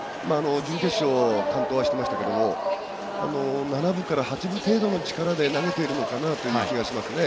準決勝、完投はしてましたけども７分から８分程度の力で投げているのかなという気がしますね。